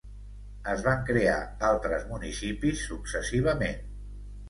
Es van crear altres municipis successivament.